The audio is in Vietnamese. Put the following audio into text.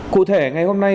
cụ thể ngày hôm nay